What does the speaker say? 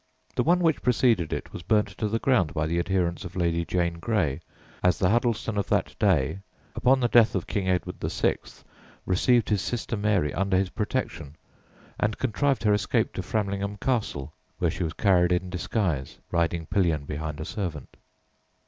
The one which preceded it was burnt to the ground by the adherents of Lady Jane Grey, as the Huddleston of that day, upon the death of King Edward VI., received his sister Mary under his protection, and contrived her escape to Framlingham Castle, where she was carried in disguise, riding pillion behind a servant.